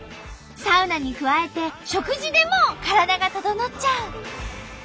サウナに加えて食事でも体がととのっちゃう！